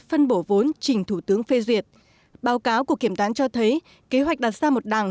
phân bổ vốn trình thủ tướng phê duyệt báo cáo của kiểm toán cho thấy kế hoạch đặt ra một đẳng